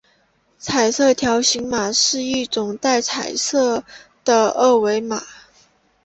彩色条码是一种带颜色的二维条码。